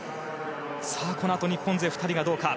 このあと、日本勢２人がどうか。